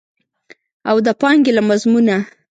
او د پانګې له مضمونه.